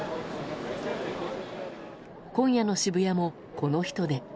今夜の渋谷も、この人出。